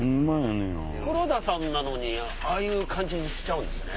黒田さんなのにああいう感じにしちゃうんですね。